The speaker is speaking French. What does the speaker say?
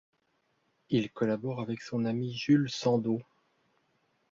Il collabore avec son ami Jules Sandeau.